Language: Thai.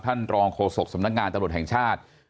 รองโฆษกสำนักงานตำรวจแห่งชาติ